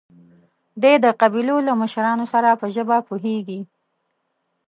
دی د قبيلو له مشرانو سره په ژبه پوهېږي.